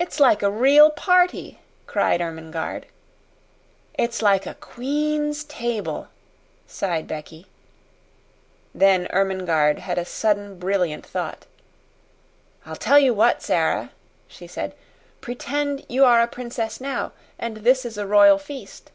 "It's like a real party!" cried Ermengarde. "It's like a queen's table," sighed Becky. Then Ermengarde had a sudden brilliant thought. "I'll tell you what, Sara," she said. "Pretend you are a princess now and this is a royal feast."